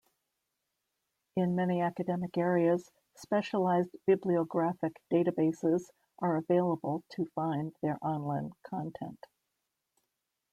In many academic areas, specialized bibliographic databases are available to find their online content.